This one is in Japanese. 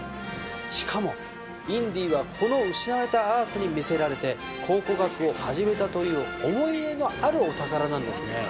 しかもインディはこの「失われたアーク」に魅せられて考古学を始めたという思い入れのあるお宝なんですね。